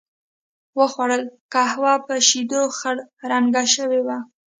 و خوړل، قهوه په شیدو خړ رنګه شوې وه.